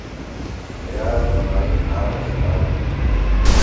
ریاض دوائی کھا بہ ساز بِھلوۡ۔